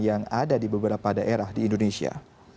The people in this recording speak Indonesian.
yang ada di beberapa daerah di indonesia